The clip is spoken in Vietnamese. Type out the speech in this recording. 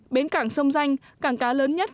bến cảng sông danh cảng cá lớn nhất